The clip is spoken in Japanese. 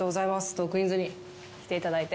『トークィーンズ』に来ていただいて。